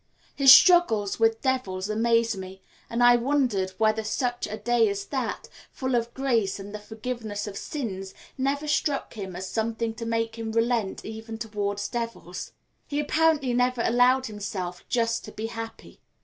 His struggles with devils amazed me; and I wondered whether such a day as that, full of grace and the forgiveness of sins, never struck him as something to make him relent even towards devils. He apparently never allowed himself just to be happy.